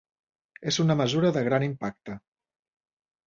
És una mesura de gran impacte.